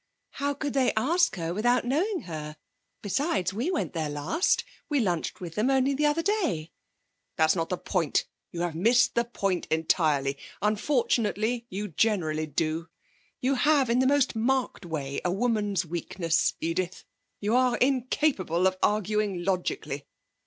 'How could they ask her without knowing her? Besides we went there last. We lunched with them only the other day.' 'That's not the point. You have missed the point entirely. Unfortunately, you generally do. You have, in the most marked way, a woman's weakness, Edith. You're incapable of arguing logically.